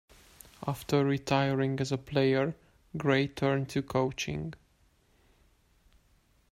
After retiring as a player, Gray turned to coaching.